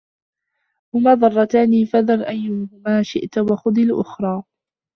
هُمَا ضَرَّتَانِ فَذَرْ أَيَّهُمَا شِئْت وَخُذْ الْأُخْرَى